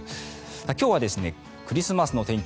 今日は、クリスマスの天気